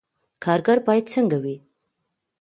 کارګر باید څنګه وي؟